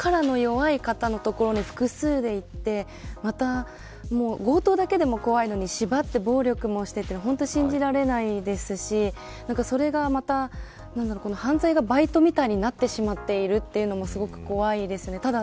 本当に高齢者の力の弱い方の所に複数で行って強盗だけでも怖いのに縛って暴力もして、というのは信じられないですしそれが犯罪がバイトみたいになってしまっているというのもすごく怖いですね。